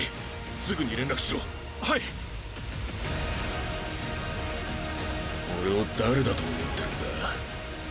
すぐに連絡しろはい俺を誰だと思ってるんだ